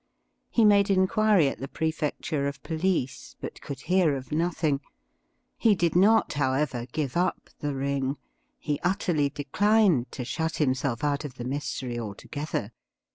He made inquiry at the Prefecture of PoKce, but could hear of nothing. He did not, however, give up the ring. He utterly dechned to shut himself out of the mystery altogether.